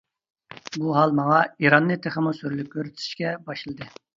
بۇ ھال ماڭا ئىراننى تېخىمۇ سۈرلۈك كۆرسىتىشكە باشلىدى.